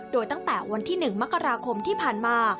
โดยตั้งแต่วันที่๑มกราคมที่ผ่านมา